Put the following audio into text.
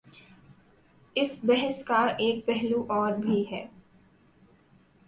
اس بحث کا ایک پہلو اور بھی ہے۔